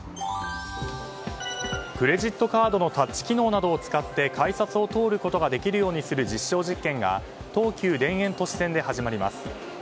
クレジットカードのタッチ機能などを使って改札を通ることができるようにする実証実験が東急田園都市線で始まります。